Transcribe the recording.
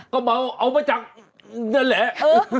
ก็เมาเอามาจากนั่นแหละ